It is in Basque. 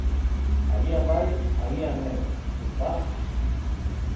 Agian bai, agian ez, ezta?